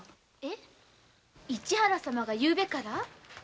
市原様がゆうべから？